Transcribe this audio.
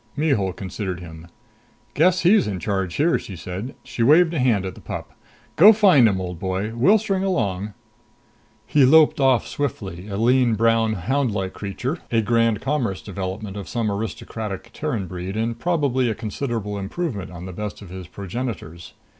Mihul considered him. "Guess he's in charge here," she said. She waved a hand at the pup. "Go find 'em, old boy! We'll string along." He loped off swiftly, a lean brown houndlike creature, a Grand Commerce development of some aristocratic Terran breed and probably a considerable improvement on the best of his progenitors.